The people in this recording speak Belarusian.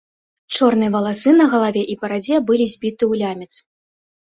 Чорныя валасы на галаве і барадзе былі збіты ў лямец.